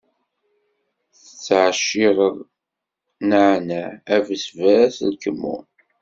Tettɛecciṛem nneɛneɛ, abesbas, lkemmun.